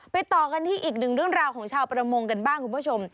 ต่อกันที่อีกหนึ่งเรื่องราวของชาวประมงกันบ้างคุณผู้ชม